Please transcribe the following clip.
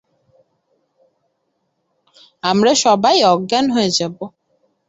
আমরা সবাই অজ্ঞান হয়ে যাবো!